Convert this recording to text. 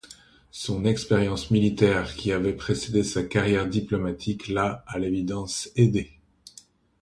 Son expérience militaire qui avait précédé sa carrière diplomatique l'a, à l'évidence, aidé.